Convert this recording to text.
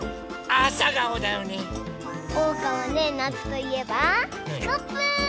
おうかはねなつといえばスコップ！